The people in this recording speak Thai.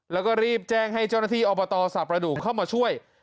แล้วก็รีบแจ้งให้เจ้าหน้าที่อบตส่าประดูกเข้ามาช่วย